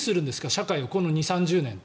社会をこの２０３０年。